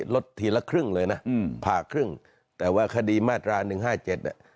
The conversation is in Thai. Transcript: ลดทีละครึ่งเลยนะอืมผ่าครึ่งแต่ว่าคดีมาตราหนึ่งห้าเจ็ดเนี่ย